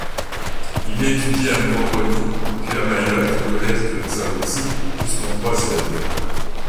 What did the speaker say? Il étudie à Moroni, puis à Mayotte au collège de Dzaoudzi jusqu'en troisième.